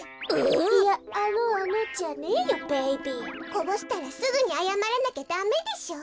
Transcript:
こぼしたらすぐにあやまらなきゃだめでしょう。